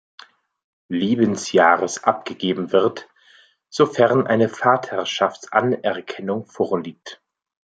Lebensjahres abgegeben wird, sofern eine Vaterschaftsanerkennung vorliegt.